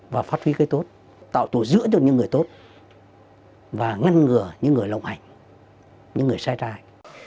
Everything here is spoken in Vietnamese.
và phát huy cái tốt tạo tù dưỡng cho những người tốt và ngăn ngừa những người lộng hành những người sai trai